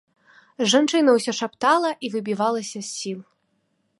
Жанчына ўсё шаптала і выбівалася з сіл.